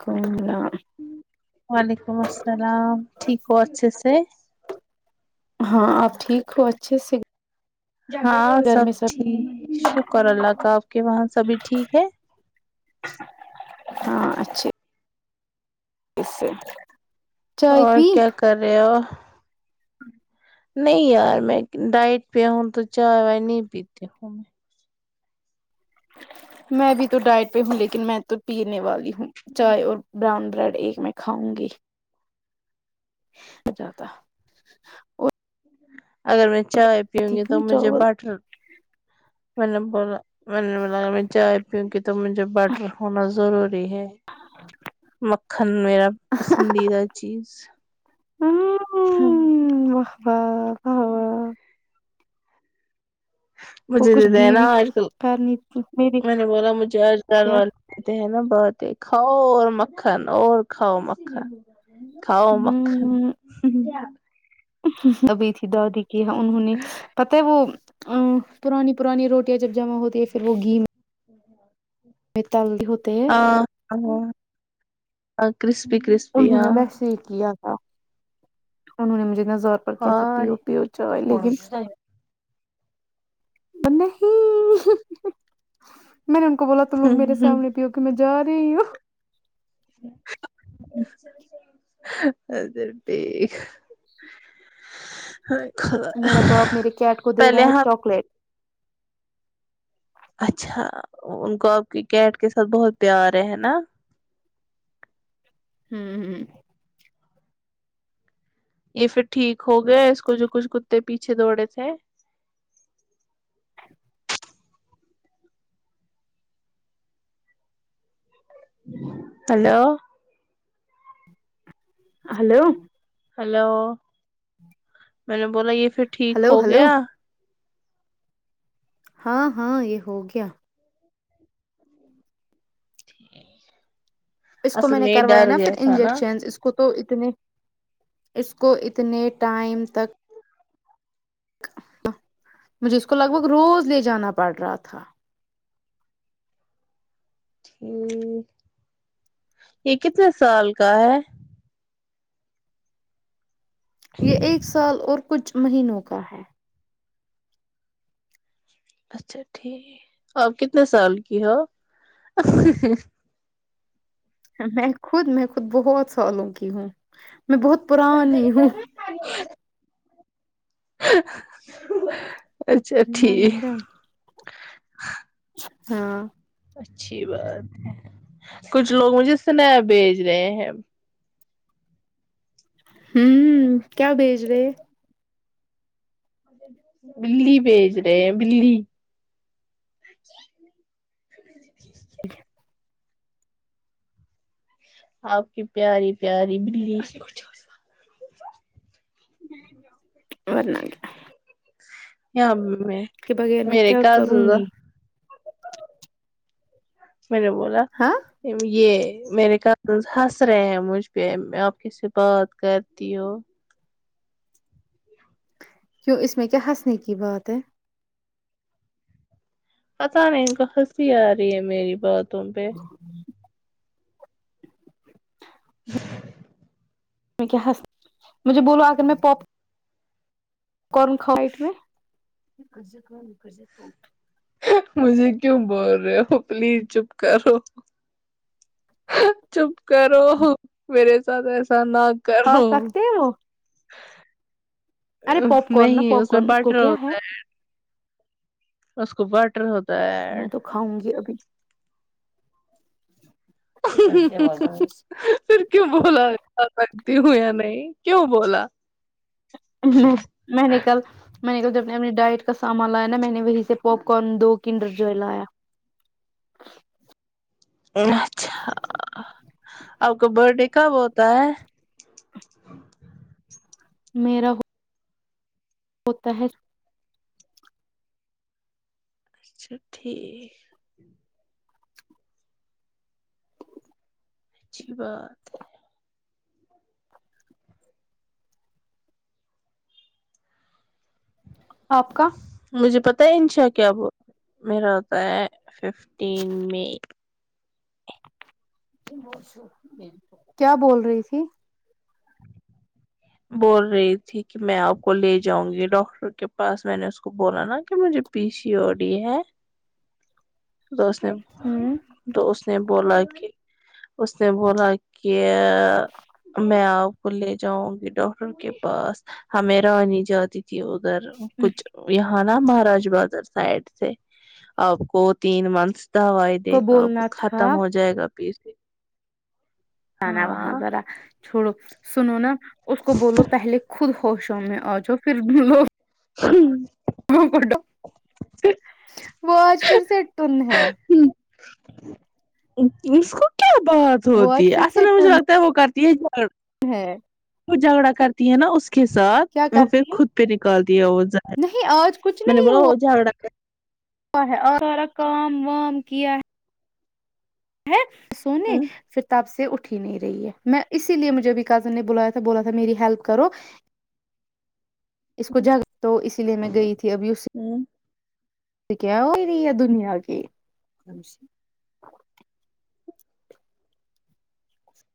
کو وعلیکم السلام ٹھیکو ا سے ہاں آپ ٹھیک ہو اچھے سے ہاں گھر سب میں ٹھیک شکر اللہ کا آپ کے وہاں سبھی ٹھیک ہے ہاں اچھے اس سے چائے اور پی کیا کر رہے ہو نہیں یار میں ڈائٹ پیہ ہوں تو چائے وائے نہیں پیتی ہوں میں میں بھی تو ڈائٹ پہ ہوں لیکن میں تو پینے والی ہوں چای اور براؤن بریڈ ایک میں کھاؤں گی جاتا اور اگر میں چائے پیوں گی تو مجھے چاول بٹر ملم پ رہ [unintelligible] جھے بھی لگا میں چائے پیوں گی تو مجھے بٹر ہونا ضروری مکھن میرا پسندیدہ چیز ہ وہ وا وہ مجھے کچھ دیتے ہیں نا گیوی آج کل کرنی تھی میری میں نے بولا مجھے آج کل کیا والے دیتے ہیں نا بہت کاؤ اور مکھن اور کاؤ مکھن کھاو مکھن ہوں ابھی تھی دادای کیا انہوں نے پت ہے وہ پرانی پرانی روٹیاں جب جمع ہوتی ہے پھر وہ گی [inaudible] [unintelligible] ہاں ہاں [unintelligible] انہو نے ہاں ویسے ہی کیا کیا انہو نے مجھے زرپار کیا تھا ہائے پیو پیو چائے [unintelligible] نہیں میں نے ان کو بولا تم لوگ میرے سامنے پی ہو کہ میں جا رہی ہوں اھا ٹھیک میرا باپ میرے کیٹ کو دے پہلے رہا ہے ہماں چاکلیٹ اچھا ان کو آپ کی کیٹ کے ساتھ بہت پیار ہے نا ہوں ہوں یہ پھر ٹھیک ہو گیا اس کو جو کچھ کتے پیچھے دوڑے تھے ہلو ہلو ہلو م نے بولا یہ پھر ٹھیک ہلو ہو ہلو گیا ہاں ہاں یہ ہو گیا ٹھیک ہے اس کو میں نے کروایا نا پھر انجیکشن اس کو تو اس کو اتنے ٹائم تک مجھے اس کو لگ بھگ روز لے جانا پڑ رہا تھا ہٹ یہ کتنے سال کا ہے یہ ایک سال اور کچھ مہینوں کا ہے اچھا ٹھیک اپ کتنے سال کی ہو میں خود میں خود بہت سالوں کی ہوں میں بہت پرانی ہی ہوں اچھا ٹھیک ہاں اچھی بات ہے کچھ لوگ مجھے سنپ بھیج رہے ہیں ہوں کیا بیچ رہے بلی بھیج رہے ہیں بلی ج ٹھیک ہے آپ کی پیاری پیاری بلی کچھ ونا کیا اں میں کے بغیر میں میرے کیا کاز کروں گی میں نے بولا ہاں یہ میرے کزن ہنس رہے ہیں مجھ پہ آپ کی سے بات کرتی ہوں کیوں اس میں کیا ہنسنے کی بات ہے؟ پتاہ نہیں ان کو ہنسی آ رہی ہے میری بات ہ میں کیا ہس مجھے بولو اگر میں پاپ قن کائیٹ میں مجھے کیوں بول رہے ہو پلیز چپ کرو چپ کرو میرے سد ایسا نہ کھا کرو سکتے ہیں وہ ارے پاپ کارن نا نہیں پاپ اس میں کارن کو بٹر کیا ہوتا ہے اس کو بٹر ہوتا ہے میں ایڈ تو کھاؤں گی ابھی پھر کیوں بولا ت ہو یا نہیں کیوں بولا میں نے کل میں نے کل جب نے اپنی ڈائٹ کا سامان لایا نا میں نے وہی سے پاپ کارن دو کنڈر جو لایا اچھا آپ کا برت ڈے کب ہوتا ہے میرا ہو ہوتا ہے اچھا ٹھیک اچھی بات ہے آپ کا مجھے پت ہے انشا کیا وہ میرا ہوتا ہے ففٹین م کیا بول رہی تھی بول رہی تھی کہ میں آپ کو لے جاؤں گی ڈاکٹر کے پاس میں نے اس کو بولا نا کہ مجھے پی سی او ڈی ہے تو اس نے ہوں دو اس نے بولا کہ اس نے بولا کہ میں آپ کو لے جاؤں گی ڈاکٹر کے پاس ہمیں رانی جاتی تھی ادھر کچھ یہاں نا مہاراج بازر سائڈ سے آپ کو تین منتھس دوائی دے گا کو بولنا ختم تھا ہو جائے گا پیس وہاں ہاں ذرا چھوڑو سنو نا اس کو بولو پہلے خود ہوشوں میں آ جا پھر لوگ ہوں [unintelligible] وہ آج پھر سےٹن ہے اسکو کیا بات وہ ہوتی ہے اصل میں مجھے لگتا ہے وہ کرتے [unintelligible] ہیں جھگڑا کرتی ہے نا اس کے ساتھ وہ پھر کرتی خود پہ نکال دیا وہ نہیں آج کچھ میں نے نہیں بولا وہ جھگڑا ہوا ہے اور سارا کام وام کیا ہے ہ سونے ہاں پھر تپ سے اٹھ اھی نہیں رہی ہے میں اسی لیے مجھے ابھی کزن نے بلایا تھا بولا تھا میری ہیلپ کرو اس کو جاگ تو اسی لیے میں گئی تھی اب یوسی ہاں کیا ہو رہی ہے دنیا کی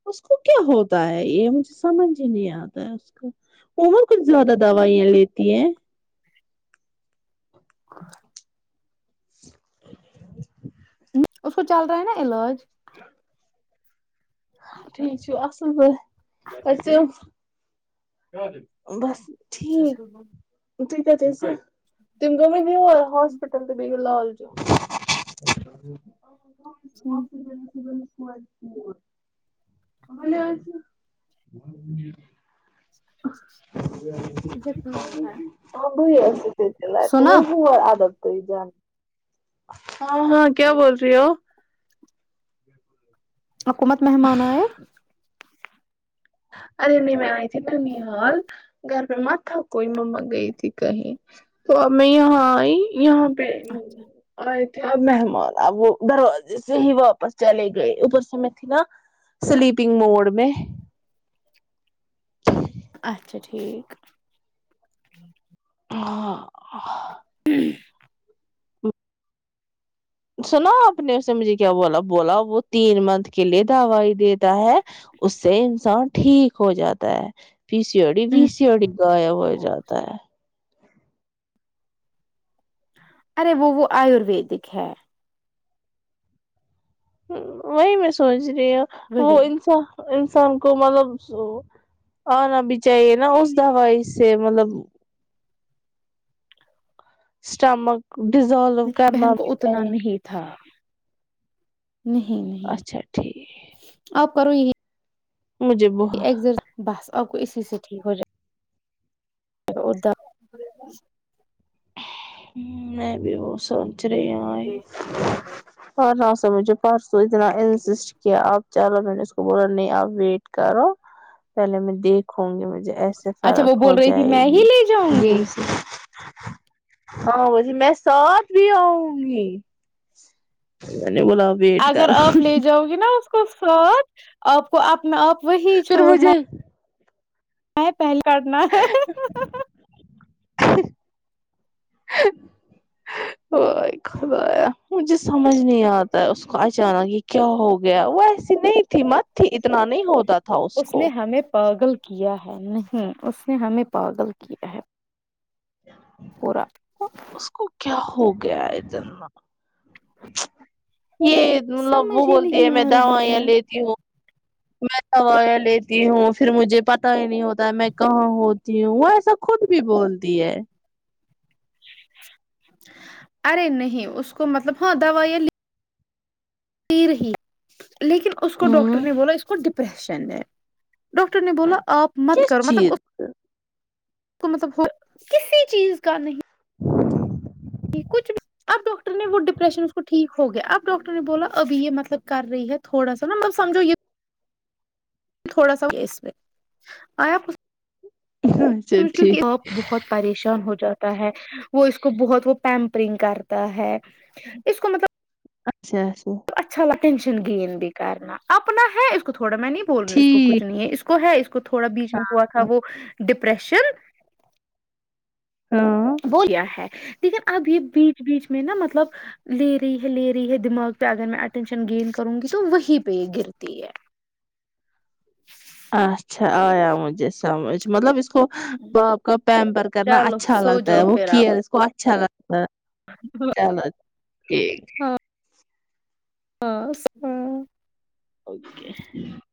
اس کو کیا ہوتا ہے یہ مجھے سمجھ ہی نہیں آتا ہے اس کا عمر کچھ زیادہ دوائیاں لیتی ہیں اور [inaudible] اس کو چل رہا ہے نا علاج [inaudible] ٹھیک چ اصل پ [inaudible] [unintelligible] ٹھیک ہے جیسے تم گ میںنے یور ہاسپٹل تو بییے گو لال چوک ا [inaudible] ہ ما ج بول [unintelligible] [inaudible] بال آس [inaudible] [unintelligible] گئی م سنا میں ہو آدب ہاں ہاں کیا بول رہی ہو بالکل حکومت مہمان آئے ارے نہیں میں آئی تھی نن حال گھر میں م تھا کوئی ما گئی تھی کہیں تو اب میں یہاں آئی یہاں [unintelligible] ا مہمان آ وہ دروازے سے ہی واپس چلے گئے اوپر سے میں تھی نا سلیپنگ موڈ میں اچھا ٹھیک [inaudible] ہی سنا آپ نے ا اس نے مجھے کیا بولا بولا وہ تین منتھ کے لیے دوائی دیتا ہے اس سے انسان ٹھیک ہو جاتا ہے پیسیی ہوڑی بییسییوڑی غائب ہو جاتا ہے ارے وہ وہ آیورویدک ہے وہی میں سوچ وہ وہی انسان انسان کو مطلب آنا بھی چاہیے نا اس دوائی سے مطلب سٹمیک ڈزالو کرنا بہن کو اتنا چاہیں نہیں تھا نہیں نہیں اچھا ٹھیک اب [inaudible] مجھے بہت اگزر بس آپ کو اسی سے ٹھیک ہو جائے نہیں بھی وہ کچ رہے پر رس مجھے پرسو تو اتنا انسسٹ کیا آپ چلو میں نے اس کو بولا نہیں آپ ویٹ کرو پہلے میں دیکھوں گی م ایسے اچھا وہ فرق ہو بول رہی تھی جائے میں ہی گی لے جاؤں ج گی سے ہاں وہی میں ساتھ بھی آؤں گی [inaudible] ویٹ اگر کرو آپ لے جاؤ گی نا کو س آپ کو آپ میں آپ وہی پھر چھوڑنا مجھے ہے ایک پہل کاٹنا ہے مجھے سمجھ نہیں آتا ہے اس کو اچانک یہ کیا ہو گیا وہ ایسی نہیں تھی مت تھی اتنا نہیں ہوتا تھا اس نے ہمیں پاگل کیا ہے نہیں اس نے ہمیں پاگل کیا ہے [inaudible] پورا اس کو کیا ہو گیا ہےدھرنا یہ مطلب وہ سمجھ ہی بولتی ہے نہیں میں آ رہا دوائیاں ہے لیتی ہوں میں دوائیںں لیتی ہوں پھر مجھے پتا ہی نہیں ہوتا میں کہاں ہوتی ہوں وہ ایسا خود بھی بولتی ہے ارے نہیں اس کو مطلب ہاں دویا لی لیرہی لیکن اس کو ڈاکٹر ہوں نے بولا اس کو ڈ پیشن ہے ڈاکٹر نے بولا آپ مت کس کرو مطلب چیز اس تو مطلب ہو کسی چیز کا نہیں کچھ بھی اب ڈاکٹر نے وہ ڈپریشن اس کو ٹھیک ہو گیا اب ڈاکٹر نے بولا ابھی یہ مطلب کر رہی ہے تھوڑا سا نا مطلب سمجھو یہ تھوڑا سا اس میں آیا اچھا س کی ٹھیک اپ بہت پریشان ہو جاتے ہے وہ اس کو بہت وہ پیمپرنگ کرتا ہے اس کو مطلب اچھا اچھا اچھا لگتا ہے اٹینشن گین بھی کرنا اپنا ہے اس تھوڑا میں نہیں بول رہیوں اس کو ٹھیک کچھ نہیں ہے اس کو ہے اس کو تھوڑا بیچ میں ہوا تھا وہ ڈپریشن ہاں وہ یہ ہے لیکن اب یہ بیچ بیچ میں نا مطلب لے رہی ہے لے رہی ہے دماغ پہ اگر میں اٹینشن گین کروں گی تو وہی پہ یہ گرتی ہے اچھا آیا مجھے سمجھ مطلب اس اس کو باپ کا پیمپر کرنا چلو اچھا سو لگتا ہے جاؤ وہ پھر آپ کیئر اس کو اچھا لگتا ہاں چولو ہی [unintelligible] اک [unintelligible]